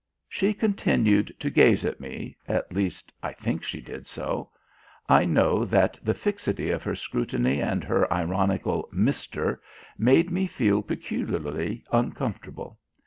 She continued to gaze at me at least, I think she did so. I know that the fixity of her scrutiny and her ironical "Mr." made me feel peculiarly uncomfortable.